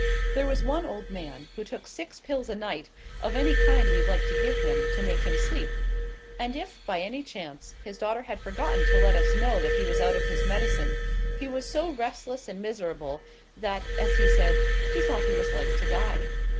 There was one old man, who took six pills a night, of any kind we liked to give him, to make him sleep; and if, by any chance, his daughter had forgotten to let us know that he was out of his medicine, he was so restless and miserable that, as he said, he thought he was like to die.